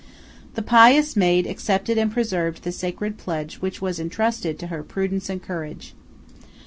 The pious maid accepted and preserved the sacred pledge which was intrusted to her prudence and courage.